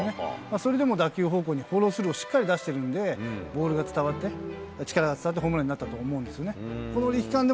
それでも、打球方向にフォロースルーをしっかり出してるんで、ボールが伝わって、力が伝わってホームランになったと思うんですね。